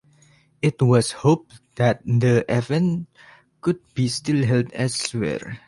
It was hoped that the event could be still held elsewhere.